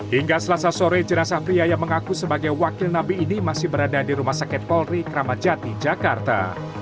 hingga selasa sore jenazah pria yang mengaku sebagai wakil nabi ini masih berada di rumah sakit polri kramat jati jakarta